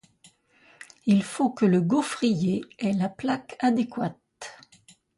Il faut que le gaufrier ait la plaque adéquate.